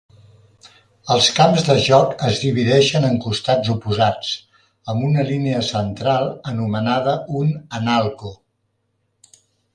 Els camps de joc es divideixen en costats oposats, amb una línia central anomenada un "analco".